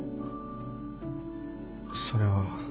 それは。